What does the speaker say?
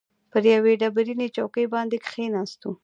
پر یوې ډبرینې چوکۍ باندې کښېناستو.